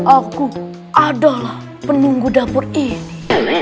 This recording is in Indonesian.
aku adalah penunggu dapur ini